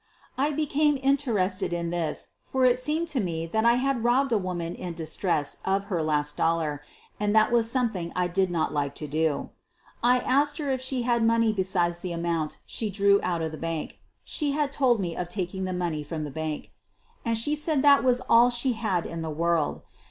I became in terested in this, for it seemed to me that I had robbed a woman in distress of her last dollar, and that was something I did not like to do. I asked her if she had money besides the amount she drew out of the bank (she had told me of taking QUEEN OF THE BURGLARS 257 the money from the bank), and she said that was all she had in the world.